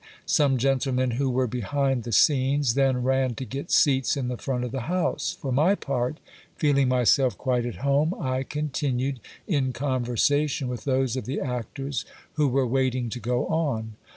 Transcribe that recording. Some gentlemen who were behind the scenes, then ran to get seats in the front of the house ; for my part, feeling my self quite at home, I continued in conversation with those of the actors who were waiting to go on.